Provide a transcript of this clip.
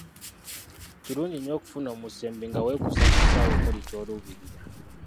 Kirungi nnyo okufuna omusembi nga yeekuusa ku kisaawe omuli ky'oluubirira.